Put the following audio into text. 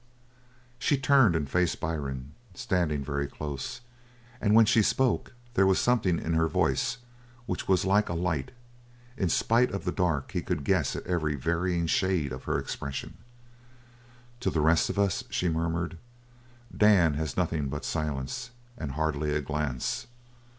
She turned and faced Byrne, standing very close, and when she spoke there was something in her voice which was like a light. In spite of the dark he could guess at every varying shade of her expression. "To the rest of us," she murmured, "Dan has nothing but silence, and hardly a glance.